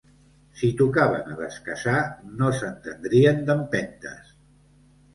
Si tocaven a descasar, no s'entendrien d'empentes.